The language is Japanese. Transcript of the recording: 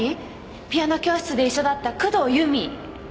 ピアノ教室で一緒だった工藤由美。